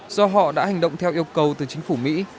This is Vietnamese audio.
do họ đã hành động theo yêu cầu từ chính phủ mỹ